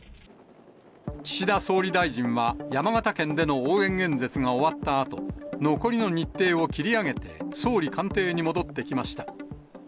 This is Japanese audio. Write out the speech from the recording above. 岸田総理大臣は、山形県での応援演説が終わったあと、残りの日程を切り上げて、総理官邸に戻ってきました。